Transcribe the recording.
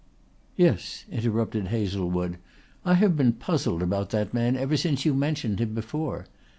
"Yes," interrupted Hazlewood. "I have been puzzled about that man ever since you mentioned him before.